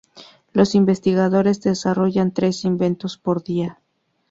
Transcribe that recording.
Los investigadores desarrollan tres inventos por día.